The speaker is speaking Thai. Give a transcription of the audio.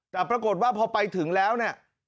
แต่ปรากฏว่าพอไปถึงแล้วเนี่ย